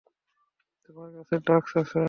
তোমার কাছে ড্রাগস আছে?